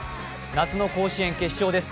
夏の甲子園決勝です。